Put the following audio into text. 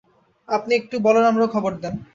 আপনে একটু বলরামরেও খবর দেন।